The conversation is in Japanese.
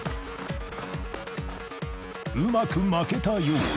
［うまくまけたようだ］